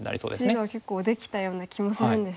地が結構できたような気もするんですが。